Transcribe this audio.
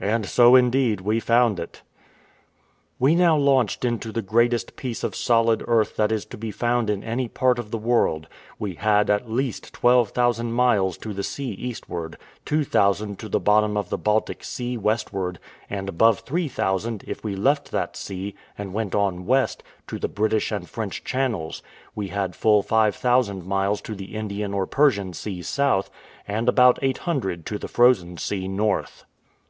And so, indeed, we found it. We now launched into the greatest piece of solid earth that is to be found in any part of the world; we had, at least, twelve thousand miles to the sea eastward; two thousand to the bottom of the Baltic Sea westward; and above three thousand, if we left that sea, and went on west, to the British and French channels: we had full five thousand miles to the Indian or Persian Sea south; and about eight hundred to the Frozen Sea north.